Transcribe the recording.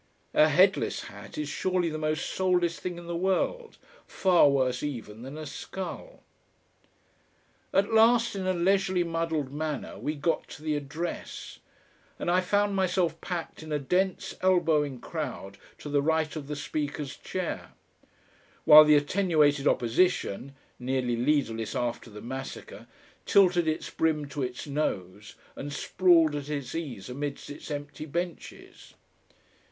A headless hat is surely the most soulless thing in the world, far worse even than a skull.... At last, in a leisurely muddled manner we got to the Address; and I found myself packed in a dense elbowing crowd to the right of the Speaker's chair; while the attenuated Opposition, nearly leaderless after the massacre, tilted its brim to its nose and sprawled at its ease amidst its empty benches.